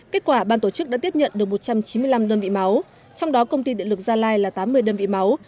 kết quả ban tổ chức đã tiếp nhận được một trăm chín mươi năm đơn vị máu trong đó công ty điện lực gia lai là tám mươi đơn vị máu